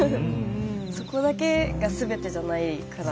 そこだけが全てじゃないから。